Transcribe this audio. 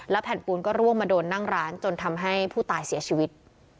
แผ่นปูนก็ร่วงมาโดนนั่งร้านจนทำให้ผู้ตายเสียชีวิต